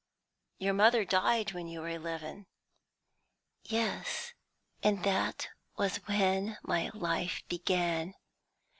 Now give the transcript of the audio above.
"Your mother died when you were eleven!" "Yes, and that was when my life began.